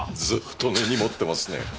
ずっと根に持ってますね